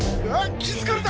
気付かれた！